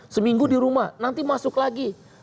seminggu di rumah nanti masuk lagi